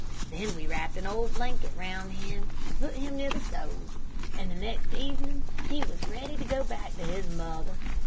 Then we wrapped an old blanket round him, and put him near the stove, and the next evening he was ready to go back to his mother.